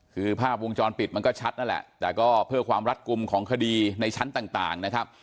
คือภาพวงจรปิดมันก็ชัดนั่นแหละแต่ก็เพื่อความรัดกลุ่มของคดีในชั้นต่างนะครับ